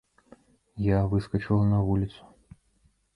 Я выскачыла на вуліцу.